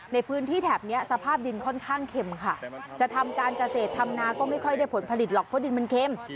ในพื้นที่แถบนี้สภาพดินค่อนข้างเข็มค่ะจะทำการเกษตรทำนาก็ไม่ค่อยได้ผลผลิตหรอกเพราะดินมันเข็ม